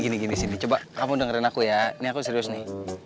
gini gini sini coba kamu dengerin aku ya ini aku serius nih